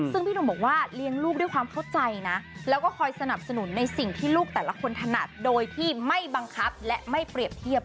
ซึ่งพี่หนุ่มบอกว่าเลี้ยงลูกด้วยความเข้าใจนะแล้วก็คอยสนับสนุนในสิ่งที่ลูกแต่ละคนถนัดโดยที่ไม่บังคับและไม่เปรียบเทียบ